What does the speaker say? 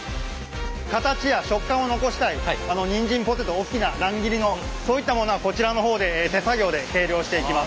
形や食感を残したいニンジンポテト大きな乱切りのそういったものはこちらの方で手作業で計量していきます。